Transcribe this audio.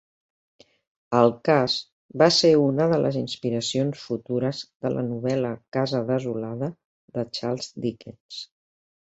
El cas va ser una de les inspiracions futures de la novel·la Casa desolada de Charles Dickens.